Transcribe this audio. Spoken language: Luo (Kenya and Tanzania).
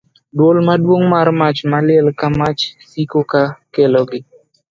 Dwol maduong' mar mach maliel ka mach siko ka kelogi.